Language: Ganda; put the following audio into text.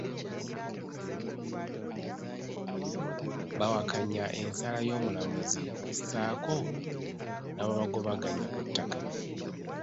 Bawakanya ensala y'omulamuzi ssaako n'ababagobaganya ku ttaka